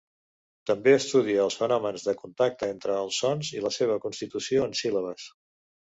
També estudia els fenòmens de contacte entre els sons i la seva constitució en síl·labes.